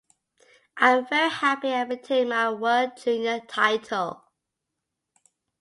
I am very happy I retained my world junior title.